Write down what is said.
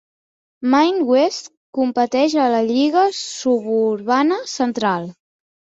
Maine West competeix a la Lliga Suburbana Central.